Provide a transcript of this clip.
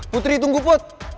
putri tunggu put